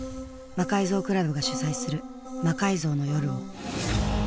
魔改造倶楽部が主催する「魔改造の夜」を。